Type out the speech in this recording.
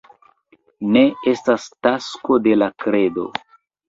Ne estas tasko de la kredo.